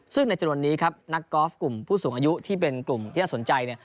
ซึ่งในจนวนนี้นักกอล์ฟกลุ่มผู้สูงอายุเป็นกลุ่มที่จะสนใจ